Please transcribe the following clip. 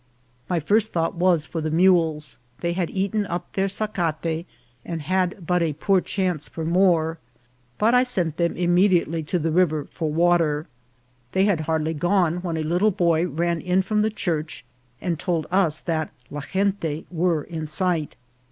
My first thought was for the mules ; they had eaten up their sacate, and had but a poor chance for more, but I sent them immediately to the river for wa ter. They had hardly gone when a little boy ran in from the church, and told us that la gente were in sight.